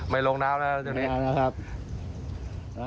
ไม่ลงแล้วนะครับตอนนี้